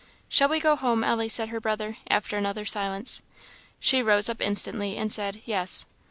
"Shall we go home, Ellie?" said her brother, after another silence. She rose up instantly, and said, "Yes."